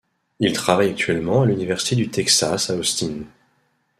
Il travaille actuellement à l'université du Texas à Austin.